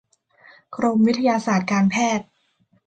กรมวิทยาศาสตร์การแพทย์